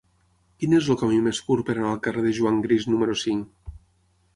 Quin és el camí més curt per anar al carrer de Juan Gris número cinc?